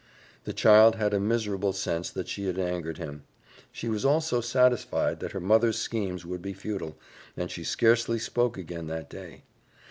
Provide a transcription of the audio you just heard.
The child had a miserable sense that she had angered him; she was also satisfied that her mother's schemes would be futile, and she scarcely spoke again that day.